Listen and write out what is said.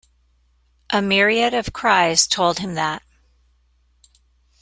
A myriad of cries told him that.